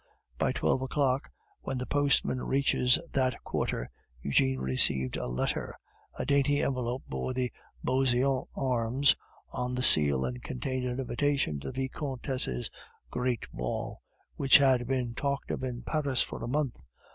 By twelve o'clock, when the postman reaches that quarter, Eugene received a letter. The dainty envelope bore the Beauseant arms on the seal, and contained an invitation to the Vicomtesse's great ball, which had been talked of in Paris for a month.